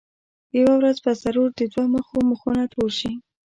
یوه ورځ به ضرور د دوه مخو مخونه تور شي.